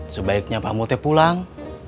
sebaiknya pak multe pulang